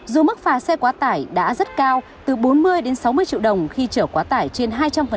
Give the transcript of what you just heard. dù mức phạt xe quá tải đã rất cao từ bốn mươi đến sáu mươi triệu đồng khi chở quá tải trên hai trăm linh